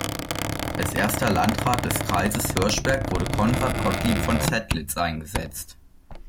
Als erster Landrat des Kreises Hirschberg wurde Conrad Gottlieb von Zedlitz eingesetzt.